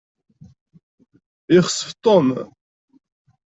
Yexsef Tom.